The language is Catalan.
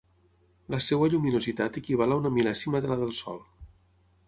La seva lluminositat equival a una mil·lèsima de la del Sol.